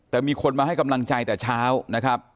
แต่มีคนมาให้กำลังใจแต่เช้านะครับ